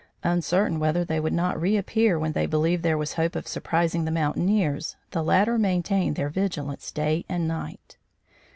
Uncertain whether they would not reappear when they believed there was hope of surprising the mountaineers, the latter maintained their vigilance day and night.